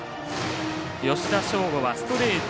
吉田匠吾はストレート